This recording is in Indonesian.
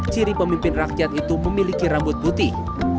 ciri pemimpin rakyat itu memiliki rambut putih